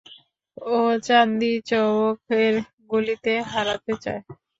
ও চান্দি চওক এর গলিতে হারাতে চায়।